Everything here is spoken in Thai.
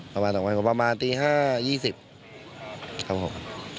ประมาณ๒วันผมประมาณตี๕๒๐ครับผม